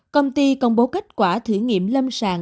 công ty công bố kết quả thử nghiệm lâm sàng